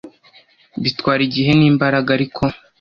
Bitwara igihe n imbaraga ariko